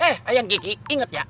eh ayang kiki inget ya